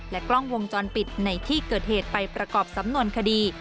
กล้องวงจรปิดในที่เกิดเหตุไปประกอบสำนวนคดี